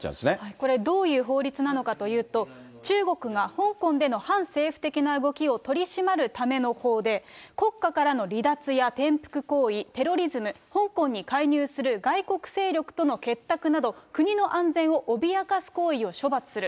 これ、どういう法律なのかというと、中国が香港での反政府的な動きを取り締まるための法で、国家からの離脱や転覆行為、テロリズム、香港に介入する外国勢力との結託など、国の安全を脅かす行為を処罰する。